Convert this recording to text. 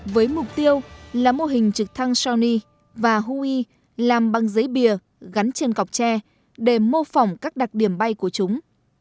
với mục tiêu là mô hình trực thăng sony và hue làm băng giấy bìa gắn trên cọc tre để mô phỏng các đặc điểm bay của chúng